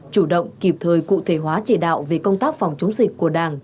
chủ động kịp thời cụ thể hóa chỉ đạo về công tác phòng chống dịch của đảng